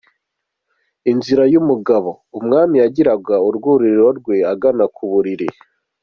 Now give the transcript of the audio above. Inzira y’umugabo, umwami yagiraga urwuririro rwe agana ku buriri.